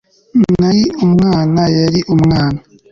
Nari umwana kandi yari umwana